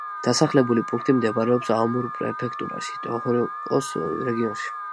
დასახლებული პუნქტი მდებარეობს აომორი პრეფექტურაში, ტოჰოკუს რეგიონში.